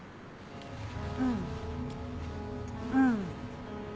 うんうん。